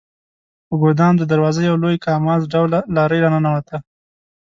په ګدام د دروازه یو لوی کاماز ډوله لارۍ راننوته.